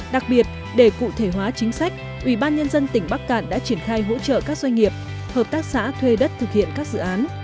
đặc biệt để cụ thể hóa chính sách ubnd tỉnh bắc cạn đã triển khai hỗ trợ các doanh nghiệp hợp tác xã thuê đất thực hiện các dự án